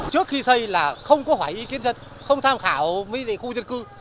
trước khi xây là không có hỏi ý kiến dân không tham khảo với khu dân cư